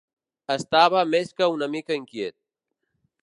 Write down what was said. Estava més que una mica inquiet.